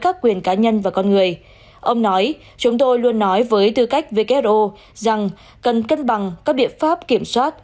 ông nói chúng tôi luôn nói với tư cách who rằng cần cân bằng các biện pháp kiểm soát